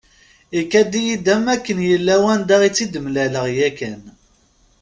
Ikad-iyi-d am akken yella wanda i tt-id-mlaleɣ yakan.